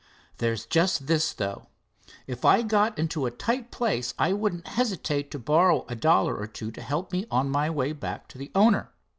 "There's just this, though. If I got in a tight place I wouldn't hesitate to borrow a dollar or two to help me on my way back to the owner."